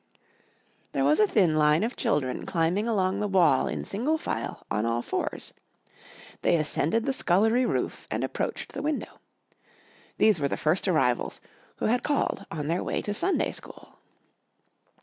There was a thin line of children climbing along the wall in single file on all fours. They ascended the scullery roof and approached the window. These were the first arrivals who had called on their way to Sunday School.